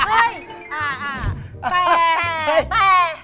อ่าแต่